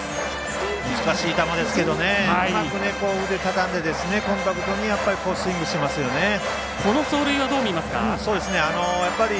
難しい球ですけどうまく腕をたたんでコンパクトにスイングしてますね。